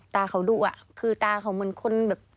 ตาเขาดุอ่ะคือตาเขาเหมือนคนแบบ